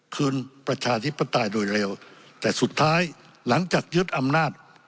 ประชาธิปไตยโดยเร็วแต่สุดท้ายหลังจากยึดอำนาจ